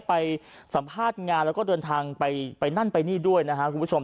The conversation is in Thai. ไปสัมภาษณ์งานแล้วก็เดินทางไปนั่นไปนี่ด้วยนะครับคุณผู้ชม